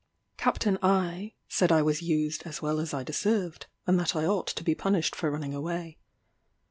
Capt. I said I was used as well as I deserved, and that I ought to be punished for running away.